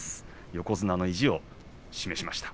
横綱の意地を見せました。